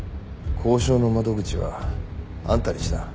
交渉の窓口はあんたにした。